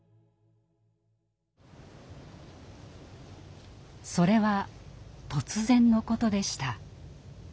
それは突然のことでした。